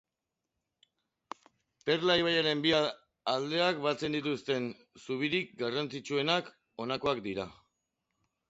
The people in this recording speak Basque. Perla ibaiaren bi aldeak batzen dituzten zubirik garrantzitsuenak honakoak dira.